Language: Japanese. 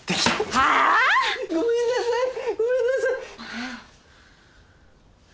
はあ！？ごめんなさい！